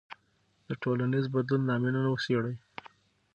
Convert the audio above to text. د ټولنیز بدلون لاملونه وڅېړئ.